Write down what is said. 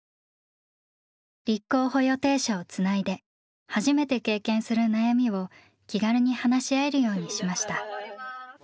立候補予定者をつないで初めて経験する悩みを気軽に話し合えるようにしました。